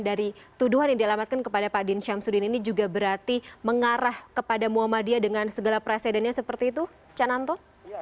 dari tuduhan yang dialamatkan kepada pak din syamsuddin ini juga berarti mengarah kepada muhammadiyah dengan segala presidennya seperti itu cananto